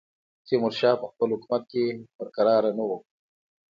تیمورشاه په خپل حکومت کې پر کراره نه وو.